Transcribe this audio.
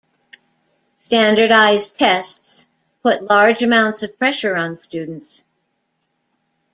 Standardized tests put large amounts of pressure on students.